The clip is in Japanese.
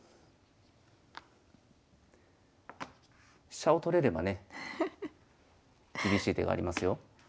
飛車を取れればね厳しい手がありますよ。